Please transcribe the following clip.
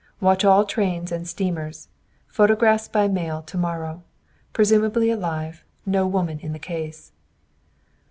Watch all trains and steamers. Photographs by mail to morrow. Presumably alive; no woman in the case."